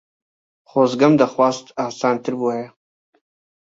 خۆزگەم دەخواست ئاسانتر بووایە.